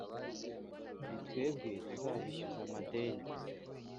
ni twebwe tuzabishyuza amadeni